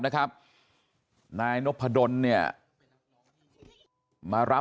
น้าสาวของน้าผู้ต้องหาเป็นยังไงไปดูนะครับ